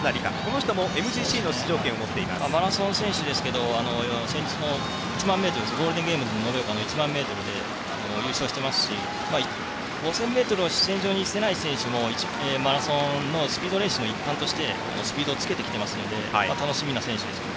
マラソン選手ですが先日のゴールデングランプリで優勝してますし５０００ｍを主戦場にしてない選手もマラソンのスピードレースの一環としてスピードをつけてきていますので楽しみな選手です。